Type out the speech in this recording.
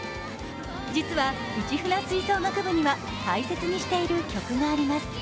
実は、イチフナ吹奏楽部には大切にしている曲があります。